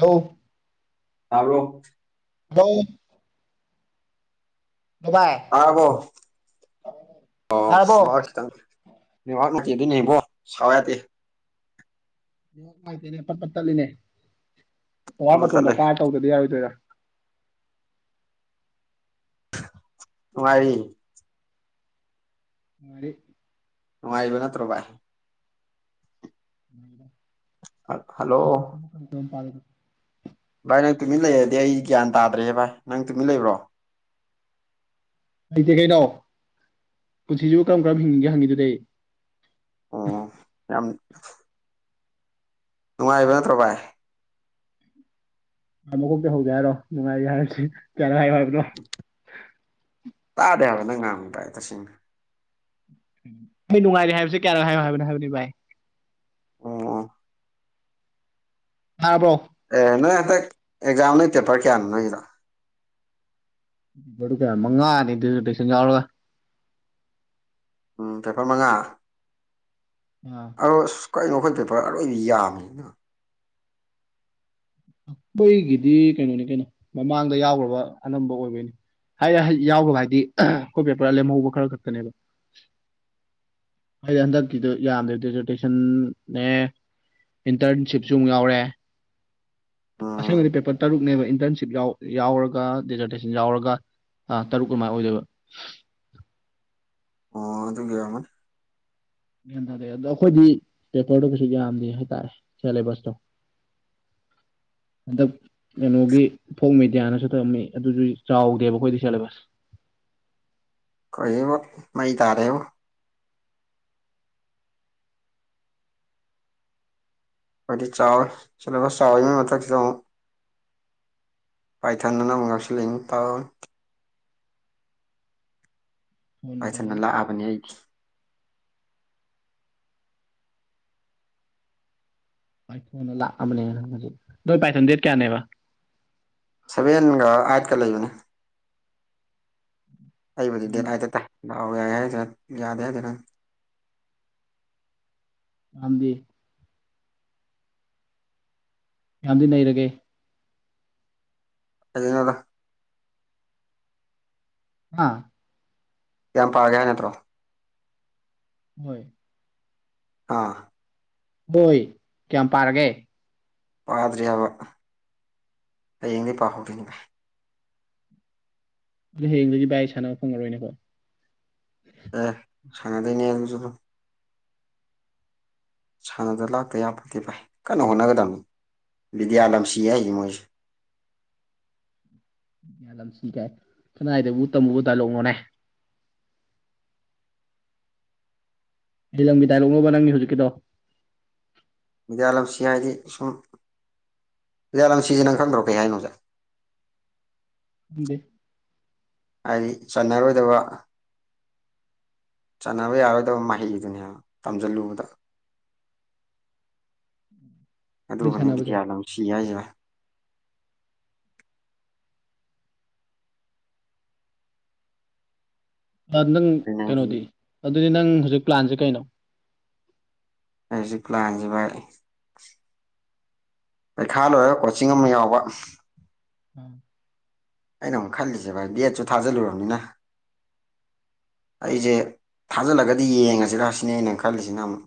ꯍꯧ ꯇꯔꯛ ꯍꯣ ꯑꯕꯣ ꯇꯥꯔꯕꯣ ꯑꯣꯃ ꯅꯦꯠꯋꯥꯛ ꯊ ꯅꯉꯥꯛ ꯅꯠꯇꯗꯤꯅꯤꯕꯣ ꯁꯋꯥ ꯌꯥꯗꯤ ꯉꯥꯏꯇꯅꯦ ꯑꯄꯠ ꯄꯠ ꯇꯠꯂꯤꯅꯦ ꯑꯋꯥ ꯕꯕꯠ ꯇꯠꯂꯦ ꯃꯇꯣꯟꯗ ꯀꯥ ꯇꯧꯗꯗꯤ ꯌꯥꯔꯣꯏꯗꯣꯏꯔꯥ ꯔꯤ ꯃꯥꯔꯦ ꯅꯅꯨꯡꯉꯥꯏꯕꯅꯥ ꯇ꯭ꯔꯕꯥꯦ ꯍꯜꯂꯣ ꯄ ꯚꯥꯏ ꯅꯪ ꯇꯨꯃꯤꯟ ꯂꯩꯔꯗꯤ ꯑꯩ ꯒ꯭ꯌꯥꯟ ꯇꯥꯗ꯭ꯔꯦ ꯚꯥꯏ ꯅꯪ ꯇꯨꯃꯤꯟ ꯂꯩꯕ꯭ꯔꯣ ꯂꯩꯇꯦ ꯀꯩꯅꯣ ꯄꯨꯟꯁꯤꯁꯨ ꯀꯔꯝ ꯀꯔꯝ ꯍꯤꯡꯅꯤꯡꯒꯦ ꯍꯪꯈꯤꯗꯨꯗꯤ ꯑꯣ ꯌꯥꯝ ꯅꯨꯡꯉꯥꯏꯕ ꯅꯠꯇ꯭ꯔꯣ ꯚꯥꯏ ꯃꯈꯨꯞꯇ ꯍꯧꯖ ꯍꯥꯏꯔꯣ ꯅꯨꯡꯉꯥꯏꯔꯦ ꯍꯥꯏꯔꯁꯤ ꯀꯌꯥꯅꯉꯥꯏ ꯍꯥꯏꯔꯕꯅꯣ ꯇꯥꯗꯦ ꯍꯥꯏꯕ ꯅꯪ ꯉꯥꯡ ꯇꯥꯏ ꯇꯁꯦꯡꯅ ꯑꯩ ꯅꯨꯡꯉꯥꯏꯔꯦ ꯍꯥꯏꯕꯁꯦ ꯀꯌꯥꯔꯣ ꯍꯥꯏꯌꯣ ꯍꯥꯏꯕꯅꯣ ꯍꯥꯏꯕꯅꯤ ꯚꯥꯏ ꯑꯣ ꯍꯥꯕ꯭ꯔꯣ ꯑꯦ ꯅꯣꯏ ꯍꯟꯗꯛ ꯑꯦꯛꯖꯥꯝ ꯅ ꯄꯦꯄꯔ ꯀꯌꯥꯅꯣ ꯅꯣꯏꯗ ꯀ ꯃꯉꯥꯅꯤꯗꯤꯗꯁꯤꯡꯖꯥꯒ ꯎꯝ ꯄꯦꯄꯔ ꯃꯉꯥ ꯑꯥ ꯑ ꯀꯩꯅꯣ ꯑꯩꯈꯣꯏ ꯄꯦꯄꯔ ꯑꯔꯣꯏꯕ ꯌꯥꯝꯕꯅꯤꯅ ꯑꯩꯈꯣꯏꯒꯤꯗꯤ ꯀꯩꯅꯣꯅꯤ ꯀꯩꯅꯣ ꯃꯃꯥꯡꯗ ꯌꯥꯎꯈ꯭ꯔꯕ ꯑꯅꯝꯕ ꯑꯣꯏꯕꯩꯅꯤ꯫ ꯍꯥꯏꯑꯦꯍꯩ ꯌꯥꯎꯕ ꯍꯥꯏꯗꯤ ꯑꯩꯈꯣꯏ ꯄꯦꯄꯔ ꯂꯦꯝꯍꯧꯕ ꯈꯔ ꯈꯛꯇꯅꯦꯕ꯫ ꯍꯥꯏꯗꯤ ꯍꯟꯗꯛꯀꯤꯗꯨ ꯌꯥꯝꯗ꯭ꯔꯦ ꯗꯤꯖꯖ꯭ꯔꯇꯦꯁꯟꯅꯦ꯫ ꯏꯟꯇꯔꯟꯁꯤꯞꯁꯨ ꯑꯃꯨꯛ ꯌꯥꯎꯔꯦ꯫ ꯑꯁꯦꯡꯕꯗꯤ ꯎꯝ ꯄꯦꯄꯔ ꯇꯔꯨꯛꯅꯦꯕ ꯏꯟꯇꯔꯟꯁꯤꯞ ꯌꯥꯎꯌꯥꯎꯔꯒ ꯗꯦꯖ꯭ꯔꯇꯦꯁꯟ ꯌꯥꯎꯔꯒ꯫ ꯑꯥ ꯇꯔꯨꯛꯑꯃꯥꯏ ꯑꯣꯏꯗꯕ꯫ ꯑꯣ ꯑꯗꯨꯒꯤ ꯑꯣꯏꯔꯝꯃꯅꯤ꯫ ꯒ꯭ꯌꯥꯟ ꯇꯥꯗꯦ ꯑꯗꯣ ꯑꯩꯈꯣꯏꯗꯤ ꯄꯦꯄꯔꯗꯣ ꯀꯩꯁꯨ ꯌꯥꯝꯗꯦ ꯍꯥꯏꯇꯥꯔꯦ ꯁꯦꯂꯦꯕꯁꯇꯣ꯫ [unintelligible] ꯍꯟꯗꯛ ꯀꯩꯅꯣꯒꯤ ꯐꯣꯛ ꯃꯦꯗꯤꯌꯥꯅꯁꯨ ꯊꯝꯃꯤ ꯑꯗꯨꯁꯨ ꯆꯥꯎꯗꯦꯕ ꯑꯩꯈꯣꯏꯗꯤ ꯁꯦꯂꯦꯕꯁ꯫ [unintelligible] ꯀꯩꯕ ꯃꯩ ꯇꯥꯔꯦꯉꯣ꯫ ꯍꯥꯏꯗꯤ ꯆꯥꯔꯁ ꯁꯦꯂꯦꯕꯁ ꯆꯥꯎꯋꯦ ꯃꯊꯛꯁꯤꯗ ꯑꯃꯨꯛ꯫ ꯄꯥꯏꯊꯥꯟꯅꯅ ꯑꯃꯨꯛ ꯌꯥꯎꯁꯤꯂꯛꯏꯅꯦ ꯇꯧ꯫ ꯄꯥꯏꯊꯟꯅ ꯂꯥꯛꯑꯕꯅꯤ ꯑꯩꯒꯤ꯫ ꯄꯥꯏꯊꯟꯅ ꯂꯥꯛꯑꯕꯅꯦꯕ ꯍꯧꯖꯤꯛ ꯅꯣꯏ ꯄꯥꯏꯊꯟꯗꯦꯠ ꯀꯌꯥꯅꯦꯕ꯫ ꯁꯚꯦꯟꯒ ꯑꯥꯏꯠꯀ ꯂꯩꯕꯅꯤ꯫ ꯑꯩꯕꯨꯗꯤ ꯗꯦꯠ ꯑꯥꯏꯠꯇ ꯇꯥꯢ ꯗꯥꯎ ꯌꯥꯏ ꯍꯥꯏꯗꯣꯏꯔ ꯌꯥꯗꯦ ꯍꯥꯏꯗꯣꯏꯔ꯫ ꯑꯝꯕꯤ꯫ ꯌꯥꯝꯗꯤ ꯅꯩꯔꯒꯦ꯫ [unintelligible] ꯍꯥ꯫ ꯀꯥꯌꯝ ꯄꯥꯒꯦ ꯍꯥꯏ ꯅꯠꯇ꯭ꯔꯣ꯫ ꯍꯣꯏ꯫ ꯑꯥ꯫ ꯍꯣꯏ ꯀꯌꯥꯝ ꯄꯥꯔꯒꯦ꯫ ꯄꯥꯗ꯭ꯔꯤ ꯍꯥꯏꯕ ꯍꯌꯦꯡꯗꯤ ꯄꯥꯍꯧꯗꯣꯏꯅꯤꯕ꯫ ꯑꯗꯣ ꯍꯌꯦꯡꯗꯩꯗꯤ ꯚꯥꯏ ꯁꯥꯟꯅꯕ ꯐꯪꯉꯔꯣꯏꯅꯦꯀꯣ꯫ ꯑ ꯁꯅꯗꯣꯏꯅꯤꯍꯦ ꯅꯪꯁꯨ꯫ ꯁꯥꯟꯅꯗ ꯂꯥꯛꯇ ꯌꯥꯄꯣꯠꯇꯦ ꯚꯥꯏ ꯀꯟꯅ ꯍꯣꯠꯅꯒꯗꯕꯅꯤ꯫ ꯕꯤꯗꯤꯌꯥ ꯂꯝꯁꯤ ꯍꯥꯏꯁꯦ ꯃꯣꯏꯁꯦ꯫ ꯌꯥ ꯂꯝꯁꯤ ꯀꯥꯏ ꯀꯅꯥꯏꯗꯕꯨ ꯇꯝꯃꯨꯕ ꯗꯥꯏꯂꯣꯛꯅꯣꯅꯦ꯫ ꯂꯤꯂꯝꯒꯤ ꯗꯥꯏꯂꯣꯛꯅꯣꯕ ꯅꯪꯅꯤ ꯍꯧꯖꯤꯛꯀꯤꯗꯣ꯫ ꯕꯤꯗꯤꯌꯥꯂꯧꯁꯤ ꯍꯥꯏꯗꯤ ꯁꯨꯝ꯫ ꯌꯥꯂꯝꯁꯤꯁꯦ ꯅꯪ ꯈꯪꯗꯣꯔ ꯀꯩ ꯍꯥꯏꯅꯣ ꯖꯦ꯫ ꯗꯦ꯫ ꯍꯥꯏꯗꯤ ꯆꯥꯟꯅꯔꯣꯏꯗꯕ꯫ ꯆꯥꯟꯅꯕ ꯌꯥꯔꯣꯏꯗꯕ ꯃꯍꯩꯗꯨꯅꯦ ꯇꯝꯁꯤꯜꯂꯨꯕꯗ꯫ [unintelligible] ꯑꯩꯈꯣꯏ ꯑꯗꯨꯒꯅꯤ ꯁꯥꯟꯅꯕꯁꯦ ꯕꯤꯗ꯭ꯌꯥꯂꯝꯁꯤ ꯍꯥꯏꯁꯦ꯫ ꯅꯪ ꯑꯗꯩ ꯅꯪꯒꯤ ꯀꯩꯅꯣꯗꯤ ꯑꯗꯨꯗꯤ ꯅꯪ ꯍꯧꯖꯤꯛ ꯄ꯭ꯂꯥꯟꯁꯦ ꯀꯩꯅꯣ꯫ ꯑꯩꯁꯦ ꯄ꯭ꯂꯥꯟꯁꯤ ꯚꯥꯏ꯫ ꯄꯩꯈꯥ ꯂꯣꯏꯔꯒ ꯀꯣꯆꯤꯡ ꯑꯃ ꯌꯥꯎꯕ꯫ ꯎꯝ꯫ ꯑꯩꯅ ꯑꯃꯨꯛ ꯈꯜꯂꯤꯁꯦ ꯚꯥꯏ ꯕꯦꯠꯁꯨ ꯊꯥꯖꯤꯜꯂꯨꯔꯕꯅꯤꯅ꯫ ꯑꯩꯁꯦ ꯊꯥꯖꯤꯜꯂꯒꯗꯤ ꯌꯦꯡꯉꯁꯤꯔ ꯁꯤꯅꯦ ꯑꯩꯅ ꯈꯜꯂꯤꯁꯤꯅ ꯑꯃꯨꯛ꯫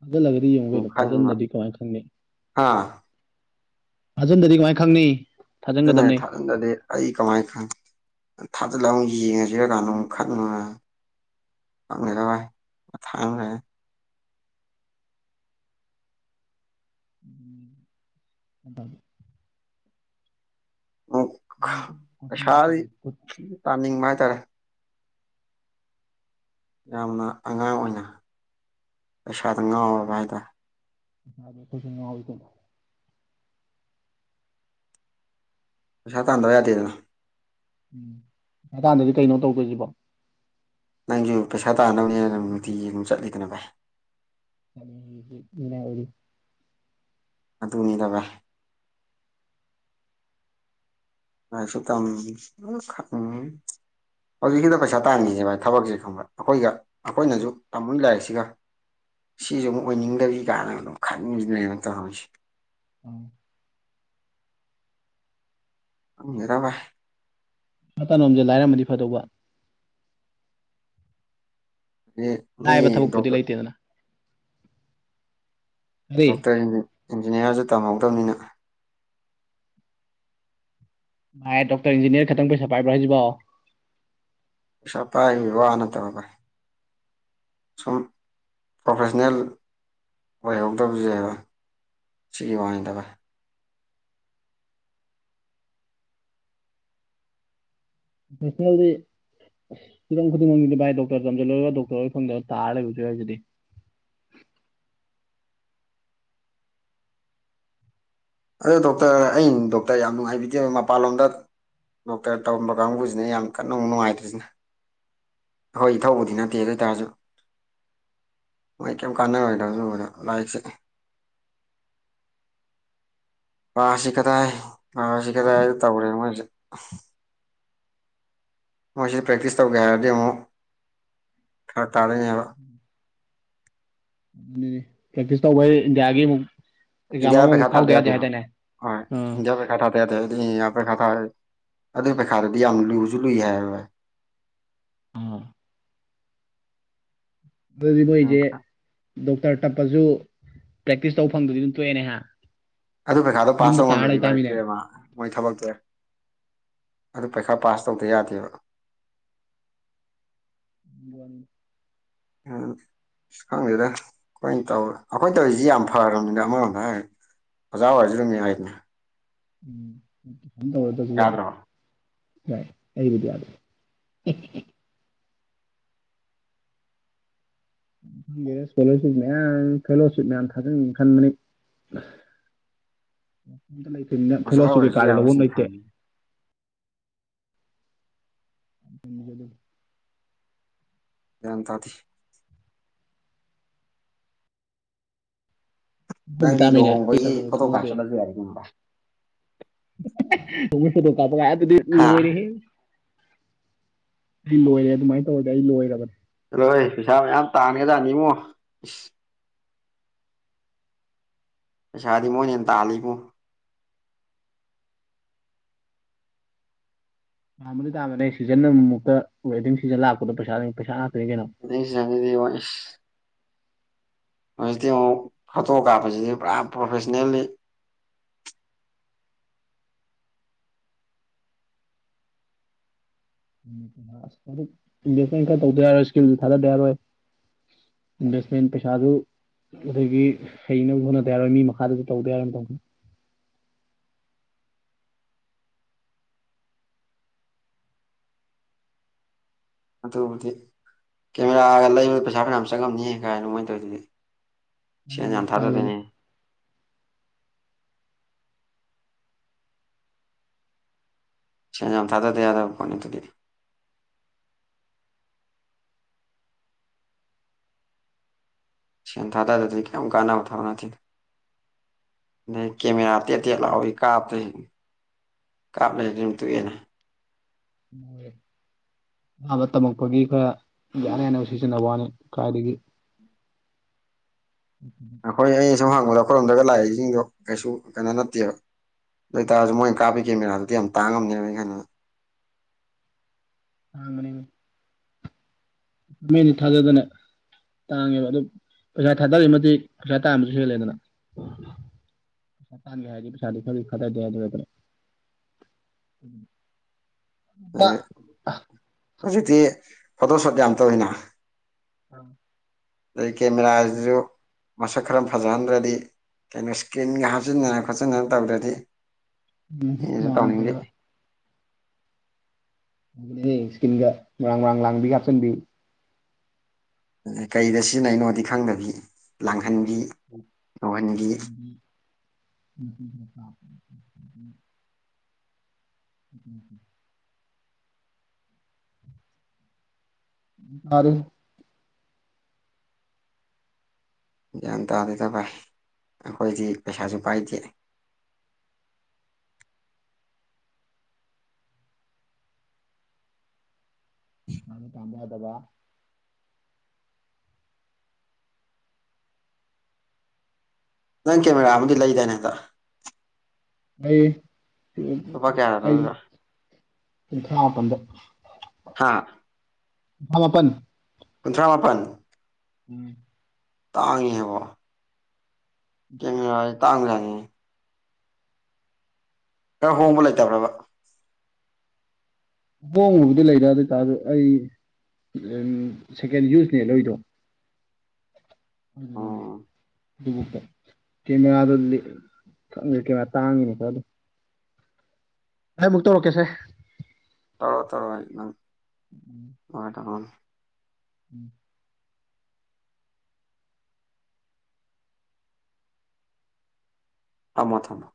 ꯊꯥꯖꯤꯜꯂꯒꯗꯤ ꯑꯃꯨꯛ ꯌꯦꯡꯉꯨꯀꯩꯅꯣ ꯈꯟꯕ ꯊꯥꯖꯟꯗꯗꯤ ꯀꯃꯥꯏꯅ ꯈꯪꯅꯤ꯫ ꯍꯥ ꯊꯥꯖꯤꯟꯗꯗꯤ ꯀꯃꯥꯏꯅ ꯈꯪꯅꯤ꯫ ꯑꯗꯨꯅ ꯊꯥꯖꯟꯒꯗꯕꯅꯤ ꯊꯥꯍꯟꯗꯗꯦ ꯑꯩ ꯀꯃꯥꯏꯅ ꯈꯪ꯫ ꯊꯥꯖꯤꯜꯂ ꯑꯃꯨꯛ ꯌꯦꯡꯉꯁꯤꯔꯀꯥꯟꯗ ꯑꯃꯨꯛ ꯈꯟ [unintelligible] ꯖ ꯃ ꯊꯥꯡꯅꯦ ꯑꯣ ꯀꯣꯆꯤꯡ ꯄꯩꯁꯥ ꯆꯠꯄꯒꯤ ꯇꯥꯅꯤꯡꯕ ꯍꯥꯏꯇꯥꯔꯦ ꯌꯥꯝꯅ ꯑꯉꯥꯡ ꯑꯣꯏꯅ ꯄꯩꯁꯥꯗ ꯉꯥꯎꯔꯕ ꯍꯥꯏꯇꯥꯔꯦ ꯁꯥꯗꯦ ꯄꯁꯨꯅ ꯍꯧꯗꯗ ꯄꯁꯥ ꯇꯗꯋꯥ ꯇꯗꯅ ꯎꯝ ꯑꯗꯨꯀꯥꯟꯗꯗꯤ ꯀꯩꯅꯣ ꯇꯧꯗꯣꯏꯁꯤꯕꯣ ꯅꯪꯁꯨ ꯄꯩꯁꯥ ꯇꯥꯍꯅꯕꯅꯦꯅ ꯅ ꯅꯨꯡꯇꯤꯒꯤ ꯑꯗꯨꯝ ꯆꯠꯂꯤꯗꯅ ꯚꯥꯏ ꯑꯣꯏ ꯑꯗꯨꯅꯤꯗꯕ ꯉꯁꯨ ꯇꯝ ꯎ ꯍꯧꯖꯤꯛꯁꯤꯗ ꯄꯩꯁꯥ ꯇꯥꯟꯈꯤꯁꯦ ꯚꯥꯏ ꯊꯕꯛꯁꯦ ꯈꯪꯕ ꯑꯩꯈꯣꯏꯒ ꯑꯩꯈꯣꯏꯅꯁꯨ ꯇꯝꯝꯕ ꯂꯥꯏꯔꯤꯛꯁꯦ ꯁꯤꯒ ꯁꯤꯁꯨ ꯑꯃꯨ ꯑꯣꯏꯅꯤꯡꯗꯕꯤ ꯀꯥꯏꯅꯒ ꯑꯗꯨꯝ ꯈꯟꯁꯤ ꯂꯩꯅ ꯇꯧ ꯍꯧꯣꯏꯁ ꯎꯝ ꯑꯔꯕ ꯁꯥ ꯇꯥꯅꯣꯝꯁꯦ ꯂꯥꯏꯔꯝꯃꯗꯤ ꯐꯗꯧꯕ ꯑꯗꯩ ꯃꯤ ꯥꯏꯕ ꯊꯕꯛꯄꯨꯗꯤ ꯗꯣꯛꯇꯔ ꯂꯩꯇꯦꯗꯅ ꯀꯔꯤ ꯗꯣꯛꯇꯔ ꯏꯟꯖꯤꯅꯤꯌꯥꯔꯁꯨ ꯇꯝꯍꯧꯗꯕꯅꯤꯅ ꯃꯥꯥꯏ ꯗꯣꯛꯇꯔ ꯏꯟꯖꯤꯅꯤꯌꯥꯔ ꯈꯇꯪ ꯄꯩꯁꯥ ꯄꯥꯏꯕ꯭ꯔꯥ ꯍꯥꯏꯁꯤꯕꯣ ꯄꯁꯥꯄꯥꯏ ꯍꯕꯤ ꯋꯥ ꯅꯠꯇꯕꯕꯥ ꯁꯨꯝ ꯄ꯭ꯔꯣꯐꯦꯁꯟꯅꯜ ꯑꯣꯏꯍꯧꯗꯕꯁꯦꯕ ꯁꯤ ꯋꯥꯗꯕꯦ ꯐꯁꯗꯤ ꯑꯁ ꯍꯤꯔꯝ ꯈꯨꯗꯤꯡꯃꯛꯁꯤꯗꯤ ꯚꯥꯏ ꯗꯣꯛꯇꯔ ꯇꯝꯁꯤꯜꯂꯣꯏꯒ ꯗꯣꯛꯇꯔ ꯂ ꯐꯪꯗꯕ ꯇꯥꯔ ꯂꯩꯕꯁꯨ ꯌꯥ ꯍꯥꯏꯁꯤꯗꯤ [inaudible] ꯑꯗ ꯗꯣꯛꯇꯔ ꯑ ꯗꯣꯛꯇꯔ ꯌꯥꯝ ꯅꯨꯡꯉꯥꯏꯕꯤꯗꯦ ꯃꯄꯥꯟꯂꯣꯝꯗ ꯗꯣꯛꯇꯔ ꯇꯧꯔꯝꯕ ꯀꯥꯡꯕꯨꯁꯤꯅ ꯌꯥꯝ ꯀꯟꯅ ꯑꯃꯨꯛ ꯅꯨꯡꯉꯥꯏꯇ꯭ꯔꯤꯁꯤꯅꯦ ꯍꯣꯏ ꯊꯧꯕꯗꯤ ꯅꯠꯇꯦ ꯑꯗꯨ ꯑꯣꯏꯇꯥꯔꯁꯨ ꯃꯥꯏꯀꯝ ꯀꯟꯅꯩ ꯂꯥꯏꯁꯦ [inaudible] ꯑꯥꯁꯤ ꯀꯗꯥꯏ ꯑꯥꯁꯤ ꯀꯗꯥꯏ ꯇꯧꯔꯦꯅ ꯃꯣꯏꯁꯦ ꯃꯣꯏꯁꯤ ꯄ꯭ꯔꯦꯛꯇꯤꯁ ꯇꯧꯒꯦ ꯍꯥꯏꯔꯗꯤ ꯑꯃꯨꯛ ꯈꯔ ꯇꯥꯔꯅꯤ ꯍꯥꯏꯕ [unintelligible] ꯀ ꯀꯁꯇꯕ ꯌꯥꯒ ꯏꯟꯗꯤꯌꯥ ꯄꯩꯁꯥ ꯊꯥꯗ ꯌꯥ ꯑꯥ ꯏꯟꯗꯤꯌꯥ ꯄꯩꯁꯥ ꯊꯥ ꯄꯩꯈꯥ ꯊꯥ ꯑꯗꯨꯒꯤ ꯄꯩꯈꯥꯗꯗꯤ ꯌꯥꯝ ꯂꯨꯕꯁꯨ ꯂꯨꯏ ꯍꯥꯏ ꯑꯥ ꯎꯝ ꯑꯗꯨꯗꯤꯣꯏꯦ ꯇꯔ ꯇꯞꯄꯁꯨ ꯄ꯭ꯔꯦꯛꯇꯤꯁ ꯇꯧꯕ ꯐꯪꯗꯗꯤ ꯑꯗꯨꯝ ꯇꯣꯛꯑꯦꯅꯦꯍ ꯑꯗꯨ ꯄꯩꯈꯥꯗꯣ ꯄꯥꯁ ꯇꯧꯉꯝꯗꯗꯤ ꯚꯥꯏ ꯇꯨꯔꯔꯦꯃ ꯃꯣꯏ ꯊꯕꯛꯇꯦ ꯑꯗꯨ ꯄꯩꯈꯥ ꯄꯥꯁ ꯇꯧꯗ ꯌꯥꯗꯦꯕ ꯋꯥꯅꯤ ꯑꯝ ꯑ ꯈꯪꯗꯦꯗ ꯑꯩꯈꯣꯏꯅ ꯇꯧ ꯑꯩꯈꯣꯏ ꯇꯧꯔꯤꯁꯤ ꯌꯥꯝ ꯐꯅꯤꯅ ꯑꯃꯔꯣꯝꯗ ꯍꯥꯏꯦ ꯑꯣꯖꯥ ꯍꯥꯏꯖꯔꯝꯃꯤ ꯍꯥꯏꯅꯦ ꯎꯝ ꯁꯗ ꯑꯣꯏꯔꯗ ꯑꯗꯨ ꯌꯥꯏ ꯌꯥꯗ꯭ꯔꯣ ꯌꯥ ꯑꯩꯕꯨꯗꯤ ꯌꯥꯗ ꯁ꯭ꯀꯣꯂꯔꯁꯤꯞꯅꯦꯌꯥꯝ ꯐꯦꯜꯂꯣꯁꯤꯞ ꯃꯌꯥꯝ ꯊꯖꯪ ꯈꯥꯟ ꯃꯅꯨꯡ ꯂꯩꯇꯅꯤꯅ ꯑꯣꯖꯥ ꯐꯤꯂꯣꯁꯨ ꯑꯣꯏꯔꯁꯨ ꯀꯩꯀꯥꯗꯤ ꯌꯥꯕ ꯂꯧꯕ ꯂꯩꯇꯦ ꯁꯤꯟꯐꯝꯅꯤ [inaudible] ꯇꯥꯗꯤ ꯍꯧꯈꯤ ꯅꯪꯗꯤ ꯇꯥꯃꯤꯅꯦ ꯂꯨꯍꯣꯡꯕꯒꯤ ꯐꯣꯇꯣ ꯀꯥꯞꯆꯠꯂꯁꯨ ꯌꯥꯏ ꯀꯕ ꯀꯄ ꯑꯗꯨꯗꯤ ꯂ ꯍꯥ ꯑꯣꯏꯣꯏꯔꯤ ꯍ ꯑꯩ ꯂꯣꯏꯔꯦ ꯑꯗꯨꯃꯥꯏꯅ ꯇꯧꯔꯗꯤꯦ ꯑꯩ ꯂꯣꯏꯔꯕꯅꯦ ꯂꯣꯏ ꯄꯩꯁꯥ ꯃꯌꯥꯝ ꯇꯥꯟꯒꯖꯥꯠꯅꯤꯡꯉꯣ ꯄꯩꯁꯥꯗꯤ ꯃꯣꯏꯅ ꯍꯦ ꯇꯥꯜꯂꯤ ꯏꯕꯨꯡ ꯇꯥꯃꯅꯤ ꯇꯥꯃꯅꯦ ꯁꯤꯖꯟ ꯑꯃꯨꯛꯇ ꯋꯦꯗꯤꯡ ꯁꯤꯖꯟ ꯂꯥꯛꯄꯗꯣ ꯄꯩꯁꯥ ꯄꯩꯁꯥ ꯀꯩꯅꯣ ꯑꯗꯤ ꯋꯥꯏꯁ ꯍꯧꯖꯤꯛꯇꯤ ꯑꯃꯨꯛ ꯐꯣꯇꯣ ꯀꯥꯞꯄꯁꯤꯗꯤ ꯄꯨꯔꯥ ꯄ꯭ꯔꯣꯐꯦꯁꯅꯦꯜꯂꯤ ꯚ ꯈꯔ ꯇꯧꯗ ꯌꯥꯔꯣꯏ ꯏꯁꯀꯤꯜꯁꯨ ꯊꯥꯗꯕ ꯌꯥꯔꯣꯏ ꯏꯟꯁꯃꯦꯟ ꯄꯦ ꯁꯥꯥ ꯑꯗꯨ ꯑꯗꯒꯤ ꯍꯩꯅ ꯍꯣꯠꯅꯗ ꯌꯥꯔꯣꯏ ꯃꯤ ꯃꯈꯥꯗꯁꯨ ꯇꯧꯗ ꯌꯥꯔ ꯇꯧ [unintelligible] ꯑꯗꯗꯤ ꯀꯦꯃꯦꯔꯥꯒ ꯂꯩꯕꯗ ꯄꯩꯁꯥ ꯈꯔ ꯌꯥꯝ ꯆꯪꯉꯝꯅꯤ ꯀꯥꯏꯅꯃꯥꯏꯅ ꯇꯧꯔꯤꯁꯤꯗꯤ ꯁꯤ ꯃꯤꯅꯦ ꯌꯥꯝ ꯀꯥꯏꯗꯩꯅꯣ ꯊꯗꯗꯅꯦ ꯁ ꯊꯥꯗꯗꯤꯗ ꯀꯅꯤ ꯇꯗꯤ ꯁꯦꯟ ꯊꯥ ꯇꯗꯗꯤ ꯀꯨꯛ ꯀꯥꯟꯅ ꯊꯥ ꯅ ꯀꯦꯃꯦꯔ ꯇꯇ ꯂꯥꯎꯑꯣꯏ ꯀꯥꯞꯇ ꯀꯥꯞꯂ ꯑꯗꯨ ꯇꯨꯏꯟꯅ ꯑꯕ ꯇꯝꯃꯛꯄꯒꯤ ꯈꯔ ꯌꯥꯅ ꯍꯟꯅ ꯁꯤꯖꯤꯟꯅꯕ ꯋꯥꯅꯤ ꯀꯥꯏꯏꯗꯒꯤ ꯑꯩꯈꯣꯏ ꯑꯩ ꯁꯨꯝ ꯍꯪꯕꯗ ꯑꯩꯈꯣꯏꯔꯝꯗꯒ ꯂꯥꯛꯏꯁꯤꯡꯗꯣ ꯀꯩꯁꯨ ꯀꯩꯅꯣ ꯅꯠꯇꯦꯕ ꯑꯗꯨ ꯑꯣꯏꯇꯥꯔꯁꯨ ꯃꯣꯏꯅ ꯀꯥꯞꯄ ꯀꯦꯃꯦꯔꯥꯗꯨꯗꯤ ꯌꯥꯝ ꯇꯥꯡꯉꯝꯅꯦꯕ ꯑꯩ ꯈꯥꯟꯗ ꯑ ꯑꯅꯦꯅꯤ ꯃꯤꯅꯤ ꯊꯥꯖꯗꯅꯦ ꯇꯥꯡꯉꯦꯕ ꯑꯗꯨ ꯄꯩꯁꯥ ꯊꯥꯗꯛꯃꯗꯤ ꯄꯩꯁꯥ ꯇꯥꯡꯕꯁꯨ ꯍꯦꯜꯂꯦꯗꯅ ꯊ ꯍꯥꯏꯗꯤ ꯄꯩꯁꯥꯗꯤ ꯊ ꯈꯗꯗꯦ ꯑꯗꯨꯔ ꯑꯗꯩ ꯑ ꯍꯧꯖꯤꯛꯇꯤ ꯐꯣꯇꯣꯁꯣꯠ ꯌꯥꯝ ꯇꯧꯋꯤꯅ ꯑꯝ ꯑꯗꯒꯤ ꯀꯦꯃꯦꯔꯥꯁꯨ ꯃꯁꯛ ꯈꯔ ꯐꯖꯍꯟꯗ꯭ꯔꯗꯤ ꯀꯩꯅꯣ ꯏꯁꯀꯤ꯭ꯟꯒ ꯍꯥꯞꯆꯤꯟꯟꯅꯅ ꯈꯣꯠꯆꯤꯟꯅꯅ ꯇꯧꯗ꯭ꯔꯗꯤ ꯎꯝ ꯑꯩꯅꯁꯨ ꯇꯧꯅꯤꯡꯗꯦ ꯃꯨꯉꯗꯦꯕ ꯏꯁꯀꯤꯒ ꯃꯔꯥꯡ ꯃꯔꯥꯡ ꯂꯥꯡꯕꯤ ꯀꯥꯞꯆꯕꯤ ꯀꯩꯗ ꯁꯤꯖꯤꯟꯅꯩꯅꯣꯗꯤ ꯈꯪꯗꯕꯤ ꯂꯥꯡ ꯎ ꯎ ꯎꯝ ꯎꯝ ꯎꯝ ꯁꯥꯔꯦ ꯒ꯭ꯌꯥꯟ ꯇꯥꯗꯣꯏꯗ ꯚꯥꯏ ꯑꯩꯈꯣꯏꯗꯤ ꯄꯩꯁꯥꯁꯨ ꯄꯥꯏꯗꯦ [unintelligible] ꯊꯃꯤ ꯊꯥꯝꯕꯗꯕ ꯅꯪ ꯀꯦꯃꯦꯔꯥ ꯑꯃꯗꯤ ꯂꯩꯗꯥꯅꯦꯗ ꯑꯩ ꯀꯌꯥ ꯑꯩ ꯂꯩꯔꯤꯕ ꯀꯨꯟꯊ꯭ꯔꯥ ꯃꯥꯄꯟꯗ ꯍꯥꯥ ꯊꯄ ꯄꯟꯊ꯭ꯔꯥ ꯃꯥꯄꯟ ꯎꯝ ꯇꯥꯡꯤ ꯍꯥꯏꯦꯕ ꯀꯃꯦ ꯇꯥꯡꯅꯤ ꯈꯔ ꯍꯣꯡꯕ ꯂꯩꯇꯕ꯭ꯔꯕ ꯍꯍꯣꯡꯕꯕꯨꯗꯤ ꯂꯩꯗ ꯑꯗꯨ ꯑꯣꯏꯇꯥꯔ ꯑꯩ ꯎ ꯁꯦꯀꯦꯟ ꯌꯨꯁꯅꯦ ꯂꯣꯏꯗꯣ ꯑꯗꯨ ꯑꯗꯨꯦ ꯑꯣ ꯑꯗꯨꯕꯨꯀ ꯀꯦꯃꯦꯔꯥꯗꯨ ꯀꯦꯃꯦꯔꯥ ꯇꯥꯡꯉꯤꯅꯦꯀꯣ ꯑꯗꯨ ꯑ ꯃꯛꯇꯛꯇꯧꯔꯀꯦꯁꯦ ꯇꯔꯣ ꯇꯔꯣ ꯍꯥꯏ ꯋꯥ ꯎꯝ ꯀꯃ ꯊꯝ